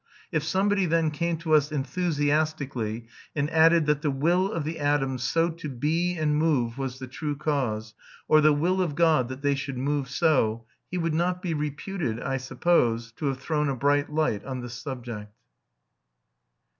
If somebody then came to us enthusiastically and added that the Will of the atoms so to be and move was the true cause, or the Will of God that they should move so, he would not be reputed, I suppose, to have thrown a bright light on the subject.